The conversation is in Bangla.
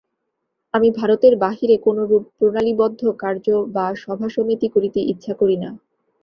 আমি ভারতের বাহিরে কোনরূপ প্রণালীবদ্ধ কার্য বা সভাসমিতি করিতে ইচ্ছা করি না।